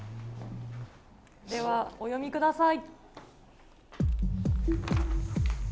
ではお読みください。